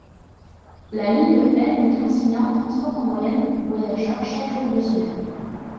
La ligne N du Transilien transporte en moyenne voyageurs chaque jour de semaine.